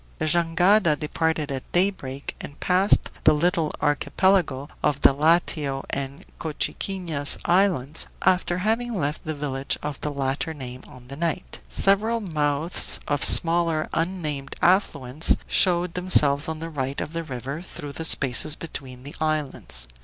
The jangada departed at daybreak, and passed the little archipelago of the Iatio and Cochiquinas islands, after having left the village of the latter name on the right. Several mouths of smaller unnamed affluents showed themselves on the right of the river through the spaces between the islands.